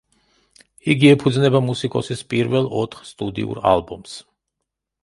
იგი ეფუძნება მუსიკოსის პირველ ოთხ სტუდიურ ალბომს.